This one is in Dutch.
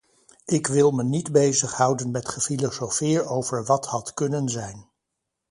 Ik wil me niet bezighouden met gefilosofeer over wat had kunnen zijn.